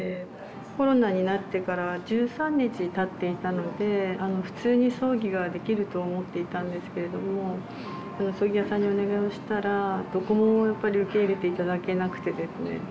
コロナになってから１３日たっていたので普通に葬儀ができると思っていたんですけれども葬儀屋さんにお願いをしたらどこもやっぱり受け入れて頂けなくてですね。